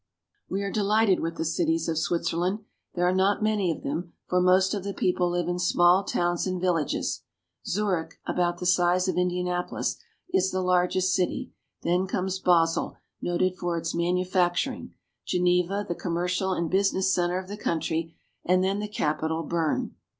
We are delighted with the cities of Switzerland. There are not many of them, for most of the people live in small towns and villages. Zurich, about the size of Indianapolis, is the largest city, then comes Basel, noted for its manu facturing, Geneva, the commercial and business center of the country, and then the capital, Bern.